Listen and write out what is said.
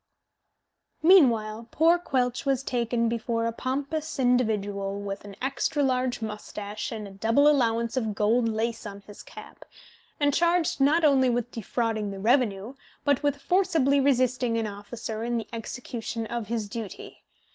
Meanwhile poor Quelch was taken before a pompous individual with an extra large moustache and a double allowance of gold lace on his cap and charged not only with defrauding the revenue, but with forcibly resisting an officer in the execution of his duty.